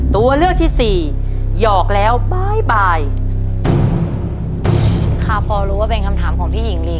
ตัวเลือกที่สี่หยอกแล้วบ๊ายบายค่ะพอรู้ว่าเป็นคำถามของพี่หญิงลี